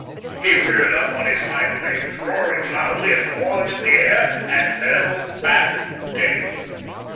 He reared up on his hind legs, roaring loudly and clawing at the air, and fell back dead.